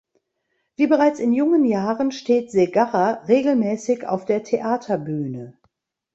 Wie bereits in jungen Jahren steht Segarra regelmäßig auf der Theaterbühne.